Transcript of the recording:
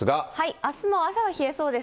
あすの朝は冷えそうです。